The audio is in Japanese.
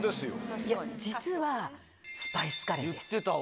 実はスパイスカレーです。